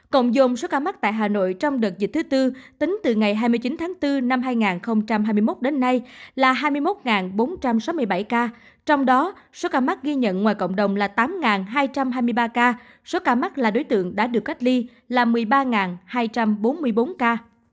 cộng dồn số ca mắc tại hà nội trong đợt dịch thứ tư tính từ ngày hai mươi chín tháng bốn năm hai nghìn hai mươi một đến nay là hai mươi một bốn trăm sáu mươi bảy ca trong đó số ca mắc ghi nhận ngoài cộng đồng là tám hai trăm hai mươi ba ca số ca mắc là đối tượng đã được cách ly là một mươi ba hai trăm bốn mươi bốn ca